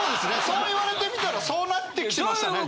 そう言われてみたらそうなってきてましたね